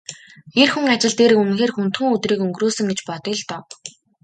Эр хүн ажил дээрээ үнэхээр хүндхэн өдрийг өнгөрөөсөн гэж бодъё л доо.